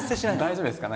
大丈夫ですか？